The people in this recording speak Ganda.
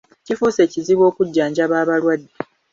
Kifuuse kizibu okujjanjaba abalwadde.